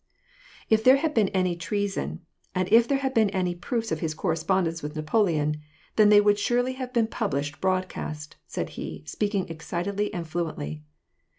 If there had been any treason, and if there had been any proofs of his correspondence with N'apoleon, then they would surely have been published broadcast," said he, speaking excit edly and fluently.